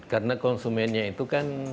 karena konsumennya itu kan